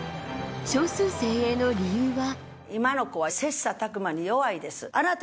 少数精鋭の理由は。